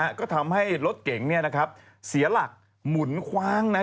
ก็ทำให้รถเก๋งเนี่ยนะครับเสียหลักหมุนคว้างนะฮะ